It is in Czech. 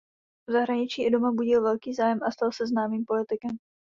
V zahraničí i doma budil velký zájem a stal se známým politikem.